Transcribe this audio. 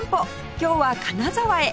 今日は金沢へ